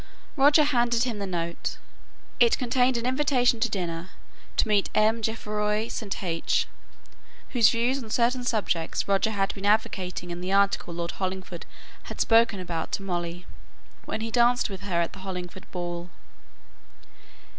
Roger handed him the note. It contained an invitation to dinner to meet M. Geoffroi St. H , whose views on certain subjects Roger had been advocating in the article Lord Hollingford had spoken about to Molly, when he danced with her at the Hollingford ball.